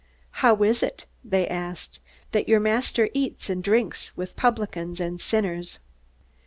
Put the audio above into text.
"How is it," they asked, "that your master eats and drinks with publicans and sinners?"